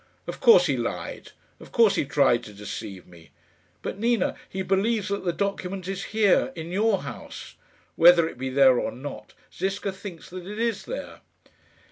Of course he lied. Of course he tried to deceive me. But, Nina, he believes that the document is here in your house. Whether it be there or not, Ziska thinks that it is there."